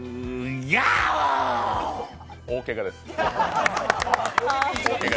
大けがです。